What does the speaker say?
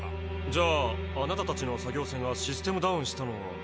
じゃああなたたちの作業船がシステムダウンしたのは。